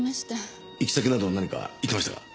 行き先など何か言ってましたか？